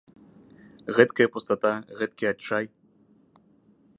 Гэткая пустата, гэткі адчай.